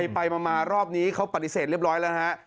ไปมารอบนี้เขาปฏิเสธเรียบร้อยแล้วนะฮะ